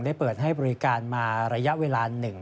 ได้เปิดให้บริการมาระยะเวลาหนึ่ง